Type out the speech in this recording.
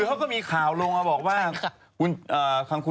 คือเขาก็มีข่าวลงมาบอกว่า